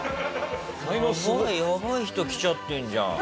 やばいやばい人来ちゃってんじゃん。